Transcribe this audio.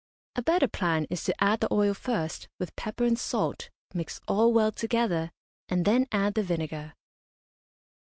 A better plan is to add the oil first, with pepper and salt, mix all well together, and then add the vinegar.